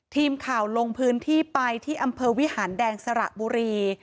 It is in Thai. ทีมข่าวลงพื้นที่ไปที่อำเภอวิหารแดงสระบุรี